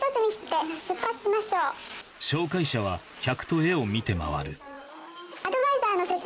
紹介者は客と絵を見て回る